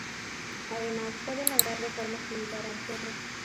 Además, puede ladrar de forma similar a un perro.